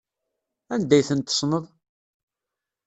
Anda ay tent-tessneḍ?